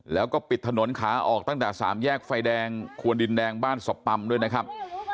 แล้วก็ปิดถนนขาออกตั้งแต่๓แยกไฟแดงควนดินแดงบ้านสบปำด้วยนะครับ